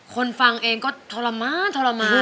คนฟังเองก็ทรมาน